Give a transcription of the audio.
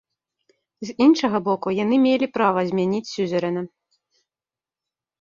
З іншага боку, яны мелі права змяніць сюзерэна.